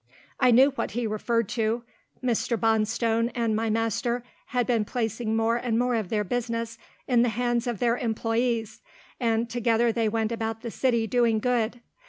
I knew what he referred to. Mr. Bonstone and my master had been placing more and more of their business in the hands of their employees, and together they went about the city doing good.